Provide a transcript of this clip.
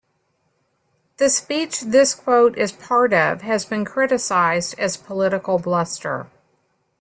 The speech this quote is part of has been criticized as political bluster.